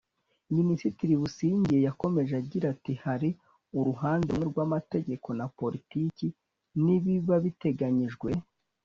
Minisitiri Busingye yakomeje agira ati “Hari uruhande rumwe rw’Amategeko na politiki n’ibiba biteganyijwe